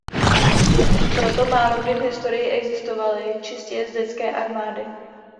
Proto málokdy v historii existovaly čistě jezdecké armády.